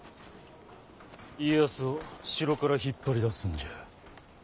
家康を城から引っ張り出すんじゃ。